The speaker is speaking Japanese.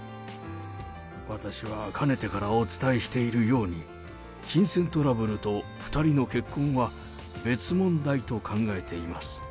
私はかねてからお伝えしているように、金銭トラブルと２人の結婚は、別問題と考えています。